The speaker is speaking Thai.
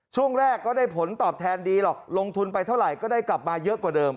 ช่วงแรกก็ได้ผลตอบแทนดีหรอกลงทุนไปเท่าไหร่ก็ได้กลับมาเยอะกว่าเดิม